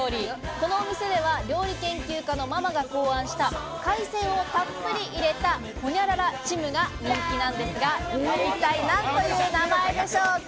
このお店では料理研究家のママが考案した海鮮をたっぷり入れた、ほにゃららチムが人気なんですが一体何という名前でしょうか？